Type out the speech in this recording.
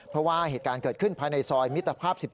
เพราะว่าเหตุการณ์เกิดขึ้นภายในซอยมิตรภาพ๑๒